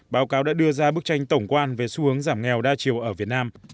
báo cáo đã đưa ra bức tranh tổng quan về xu hướng giảm nghèo đa chiều ở việt nam